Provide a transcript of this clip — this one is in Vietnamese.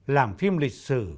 làm phim lịch sử